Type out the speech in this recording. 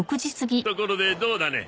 ところでどうだね？